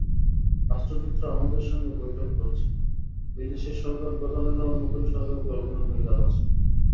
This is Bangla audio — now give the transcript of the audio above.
রাষ্ট্রদূতরা আমাদের সঙ্গে বৈঠক করছেন, বিদেশের সরকারপ্রধানেরাও নতুন সরকারকে অভিনন্দন জানাচ্ছেন।